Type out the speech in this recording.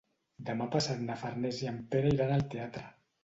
Demà passat na Farners i en Pere iran al teatre.